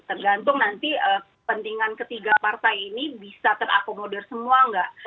tergantung nanti pentingan ketiga partai ini bisa terakomodir semua nggak